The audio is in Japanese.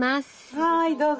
はいどうぞ。